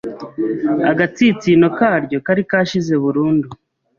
agatsitsino karyo kari kashize burundu,